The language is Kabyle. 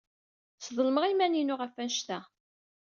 Sḍelmeɣ iman-inu ɣef wanect-a.